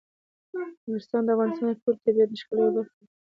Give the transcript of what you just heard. نورستان د افغانستان د ټول طبیعت د ښکلا یوه برخه ده.